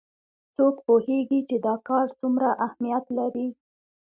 څوک پوهیږي چې دا کار څومره اهمیت لري